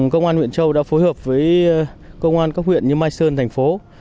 công an huyện châu đã phối hợp với công an các huyện như mai sơn thành phố